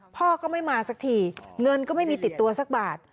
พ่อก็ไม่มาสักทีเงินก็ไม่มีติดตัวสักบาท